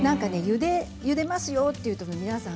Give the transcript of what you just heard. ゆでますよというと皆さん